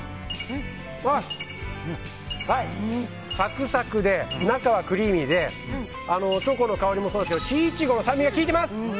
サクサクで中はクリーミーでチョコの香りもそうですけど木苺の酸味が効いてます！